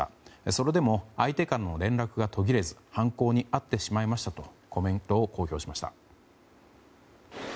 それでも相手からの連絡が途切れず犯行に遭ってしまいましたとコメントを公表しました。